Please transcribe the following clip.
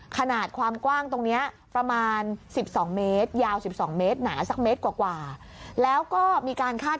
ขนาดความกว้างตรงนี้ประมาณ๑๒เมตรยาว๑๒เมตรหนาสักเมตรกว่าแล้วก็มีการคาด